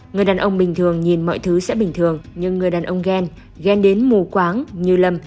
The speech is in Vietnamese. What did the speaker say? người đàn ông bình thường nhìn mọi thứ sẽ bình thường nhưng người đàn ông ghen ghen đến mù quáng như lâm